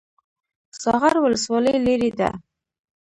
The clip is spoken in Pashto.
ساغر ولسوالۍ لیرې ده؟